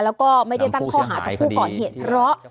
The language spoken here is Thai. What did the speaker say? แล้วก็ไม่ได้ตั้งข้อหากับผู้ก่อเหตุเพราะ